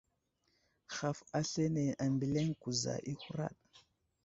Haf aslane ambeliŋ kuza i huraɗ.